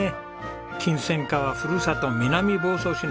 キンセンカはふるさと南房総市の誇りです。